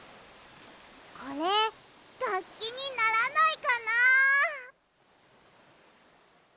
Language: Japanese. これがっきにならないかな。